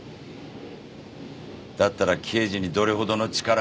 だったら刑事にどれほどの力がある？